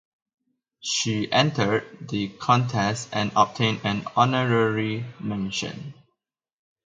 She entered the contest and obtained an honorary mention.